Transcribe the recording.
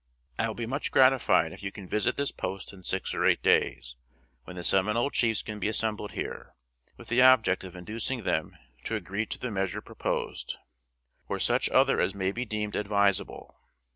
I will be much gratified if you can visit this post in six or eight days, when the Seminole chiefs can be assembled here, with the object of inducing them to agree to the measure proposed, or such other as may be deemed advisable.